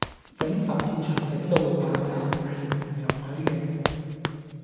整佛跳牆整到會爆炸，係唔容許嘅